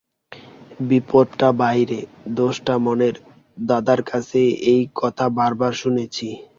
বিপদটা বাইরের, দোষটা মনের, দাদার কাছে এই কথা বার বার শুনেছি।